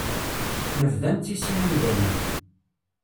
Nebda nettissin imdanen.